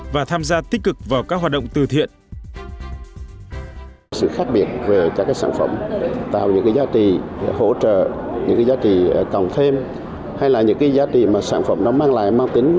và tham gia tích cực vào các hoạt động từ thiện